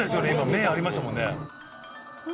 目ありましたもんねうわ